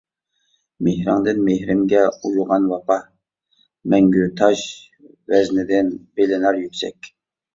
مېھرىڭدىن مېھرىمگە ئۇيۇغان ۋاپا، مەڭگۈ تاش ۋەزنىدىن بىلىنەر يۈكسەك.